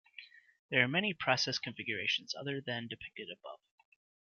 There are many process configurations other than that depicted above.